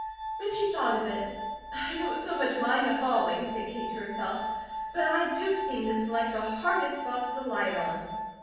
When she thought of it, "I don't so much mind the falling," said Kate to herself; "but I do seem to select the hardest spots to light on."